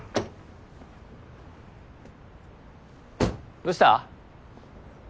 どうした？